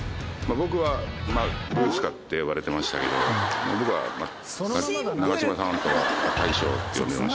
僕は、ブースカって呼ばれてましたけど、僕は長嶋さんのことは、大将って呼んでました。